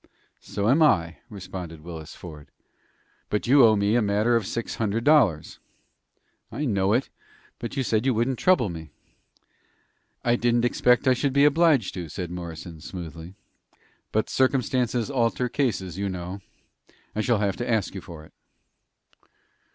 "So am I," responded Willis Ford. "But you owe me a matter of six hundred dollars." "I know it, but you said you wouldn't trouble me." "I didn't expect I should be obliged to," said Morrison, smoothly. "But 'Circumstances alter cases,' you know. I shall have to ask you for it."